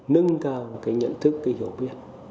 nâng cao cái nhận thức cái hiểu biết